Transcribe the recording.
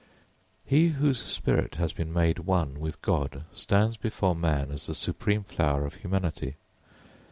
He whose spirit has been made one with God stands before man as the supreme flower of humanity.